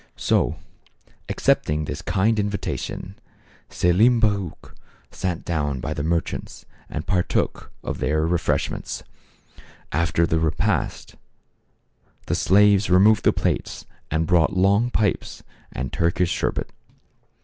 So, accepting this kind invitation, Selim Baruch sat down by the merchants and partook of their refreshments. After the repast, the slaves removed the plates, and brought long pipes and Turkish sherbet.